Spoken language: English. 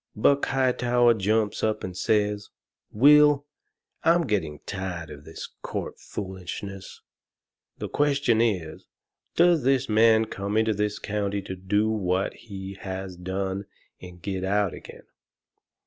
Buck Hightower jumps up and says: "Will, I'm getting tired of this court foolishness. The question is, Does this man come into this county and do what he has done and get out again?